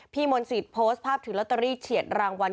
มนตรีโพสต์ภาพถือลอตเตอรี่เฉียดรางวัล